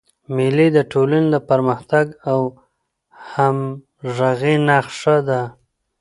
مېلې د ټولني د پرمختګ او همږغۍ نخښه ده.